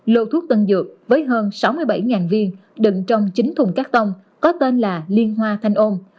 lô thuốc tân dược với hơn sáu mươi bảy viên đựng trong chín thùng cắt tông có tên là liên hoa thanh ôn